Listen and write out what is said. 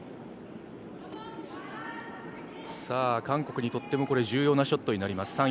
韓国にとっても重要なショットになります。